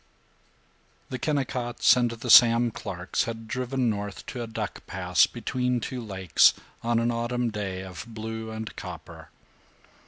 VII The Kennicotts and the Sam Clarks had driven north to a duck pass between two lakes, on an autumn day of blue and copper.